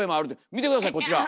見て下さいこちら！